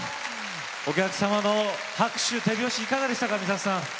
お客様の拍手、手拍子いかがでしたか。